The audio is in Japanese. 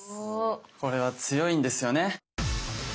これは強いんですよね？